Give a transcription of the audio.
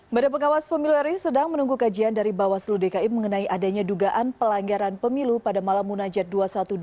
badan pengawas pemilu ri sedang menunggu kajian dari bawaslu dki mengenai adanya dugaan pelanggaran pemilu pada malam munajat dua ratus dua belas